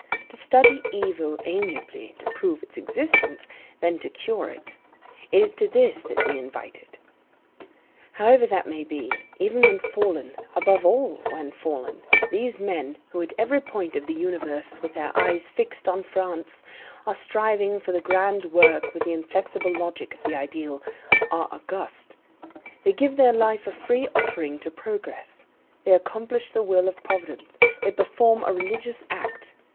To study evil amiably, to prove its existence, then to cure it. It is to this that we invite it. However that may be, even when fallen, above all when fallen, these men, who at every point of the universe, with their eyes fixed on France, are striving for the grand work with the inflexible logic of the ideal, are august; they give their life a free offering to progress; they accomplish the will of Providence; they perform a religious act.